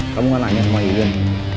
kamu gak nanya sama yuyun